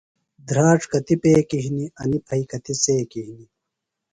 دھراڇ انیۡ پیکیۡ ہِنیۡ، انیۡ پھئیۡ څیکیۡ ہِنیۡ